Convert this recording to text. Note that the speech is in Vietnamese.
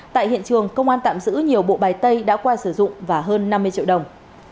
tại hiện trường công an tạm giữ nhiều bộ bài tay đã qua sử dụng và hơn năm mươi triệu đồng